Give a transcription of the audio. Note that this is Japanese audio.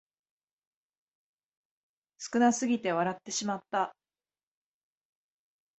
少なすぎて笑ってしまった